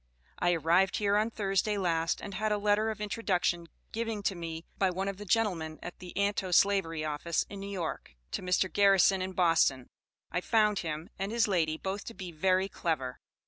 I arrived hear on Thirsday last, and had a lettor of intoduction giving to me by one of the gentlemen at the Antoslavery office in New York, to Mr. Garrison in Boston, I found him and his lady both to bee very clever.